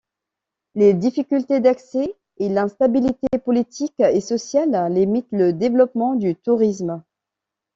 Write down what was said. Les difficultés d'accès et l'instabilité politique et sociale limitent le développement du tourisme.